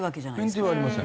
免停はありません。